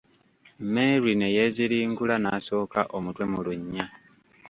Merry ne yeeziringula n'asooka omutwe mu lunnya.